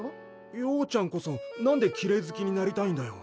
ようちゃんこそ何できれい好きになりたいんだよ？